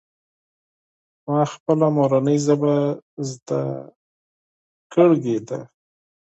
ما پخپله مورنۍ ژبه زده کړه کړې ده.